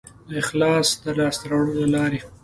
د اخلاص د لاسته راوړلو لارې